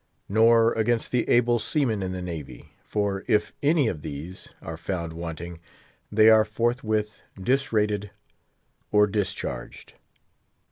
nor against the able seamen in the navy. For if any of these are found wanting, they are forthwith disrated or discharged.